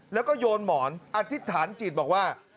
แล้วก็โยนหมอนอธิษฐานจิตบอกว่า